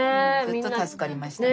助かりましたね。